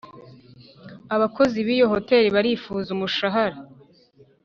abakozi b’iyo hotel barifuza umushahara